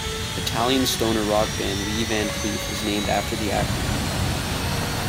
Italian stoner rock band Lee Van Cleef, is named after the actor.